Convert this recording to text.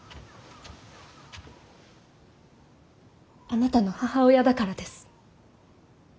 あなたの母親だからです。